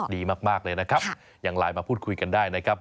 ดีมากเลยนะครับยังไลน์มาพูดคุยกันได้นะครับ